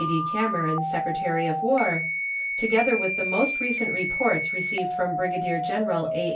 D. Cameron, Secretary of War], together with the most recent reports received from Brigadier General A.